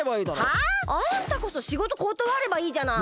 はあ？あんたこそしごとことわればいいじゃない。